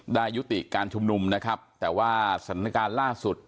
ยุติการชุมนุมนะครับแต่ว่าสถานการณ์ล่าสุด